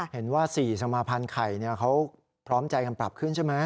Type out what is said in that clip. เห็นว่า๔สมาภัณฑ์ไข่เขาพร้อมใจกันปรับขึ้นใช่ไหม